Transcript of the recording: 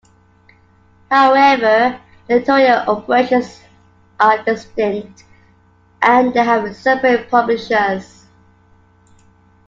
However, their editorial operations are distinct and they have separate publishers.